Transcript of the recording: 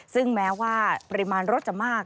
ซึ่งแม้ว่าปริมาณรถจะมาก